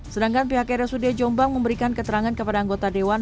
sedangkan pihak rsud jombang memberikan keterangan kepada anggota dewan